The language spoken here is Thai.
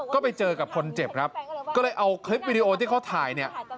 ก็ไปเจอกับคนเจ็บครับก็เลยเอาคลิปวิดีโอที่เขาถ่ายเนี่ย